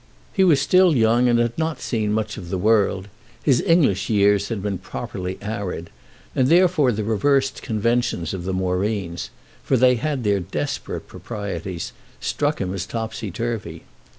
He was still young and had not seen much of the world—his English years had been properly arid; therefore the reversed conventions of the Moreens—for they had their desperate proprieties—struck him as topsy turvy.